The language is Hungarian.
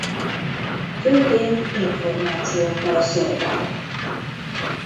Főként információkkal szolgál.